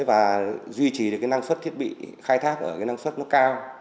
và duy trì được cái năng suất thiết bị khai thác ở cái năng suất nó cao